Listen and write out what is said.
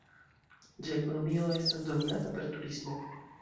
Ĝia ekonomio estas dominata per turismo.